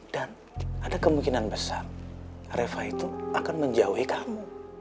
dan ada kemungkinan besar reva itu akan menjauhi kamu